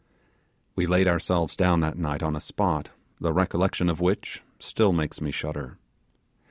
We laid ourselves down that night on a spot, the recollection of which still makes me shudder.